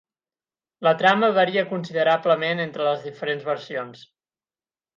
La trama varia considerablement entre les diferents versions.